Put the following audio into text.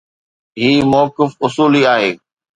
هي موقف اصولي آهي